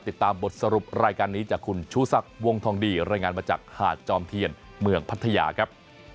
ติดตามบทสรุปรายการนี้จากคุณชูศักดิ์วงทองดีรายงานมาจากหาดจอมเทียนเมืองพัทยาครับ